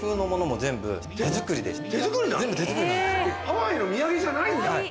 ハワイの土産じゃないんだハァ！